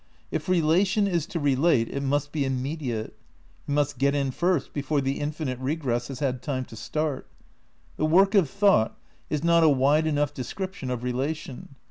If relation is to relate it must be immediate. It must get in first before the infinite regress has had time to start. "The work of thought" is not a wide enough description of relation.